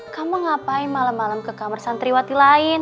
kamu ngapain malem malem ke kamar santriwati lain